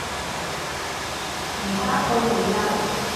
而家到你嘞